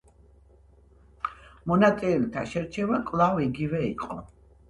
მონაწილეთა შერჩევა კვლავ იგივე იყო.